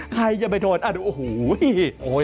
ใครจะไปโทษโอ้โฮ